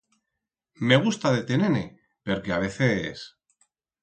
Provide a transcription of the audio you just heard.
Me gusta de tener-ne perque a veces...